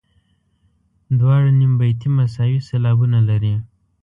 دواړه نیم بیتي مساوي سېلابونه لري.